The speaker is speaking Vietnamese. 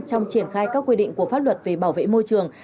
trong triển khai các quy định của pháp luật về bảo vệ môi trường